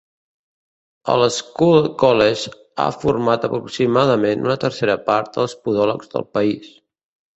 El Scholl College ha format aproximadament una tercera part dels podòlegs del país.